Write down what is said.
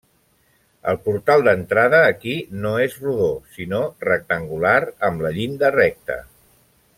El portal d'entrada aquí no és rodó, sinó rectangular amb la llinda recta.